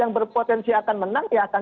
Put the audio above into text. yang berpotensi akan menang ya akan